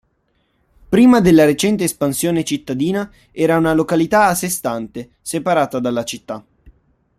Prima della recente espansione cittadina, era una località a sé stante, separata dalla città.